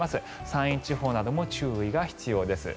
山陰地方なども注意が必要です。